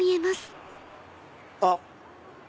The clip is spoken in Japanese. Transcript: あっ！